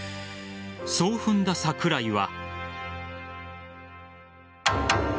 そう踏んだ桜井は。